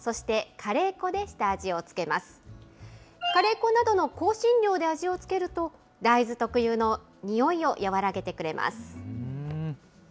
カレー粉などの香辛料で味を付けると、大豆特有のにおいを和らげてくれます。